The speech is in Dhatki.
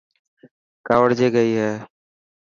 ڪاوڙجي گئي هي.